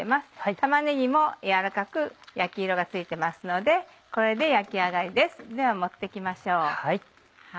玉ねぎも軟らかく焼き色がついてますのでこれで焼き上がりですでは盛って行きましょう。